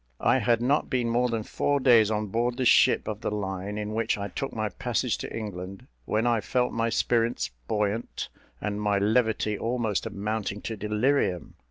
I had not been more than four days on board the ship of the line in which I took my passage to England, when I felt my spirits buoyant, and my levity almost amounting to delirium.